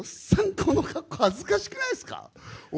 この格好、恥ずかしくないですか？